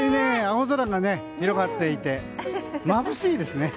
青空が広がっていてまぶしいですね。